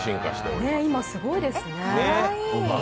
今、すごいですね。